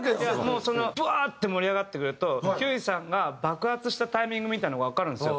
もうそのブワーッて盛り上がってくるとひゅーいさんが爆発したタイミングみたいなのがわかるんですよ。